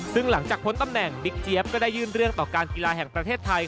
ซึ่งหลังจากพ้นตำแหน่งบิ๊กเจี๊ยบก็ได้ยื่นเรื่องต่อการกีฬาแห่งประเทศไทย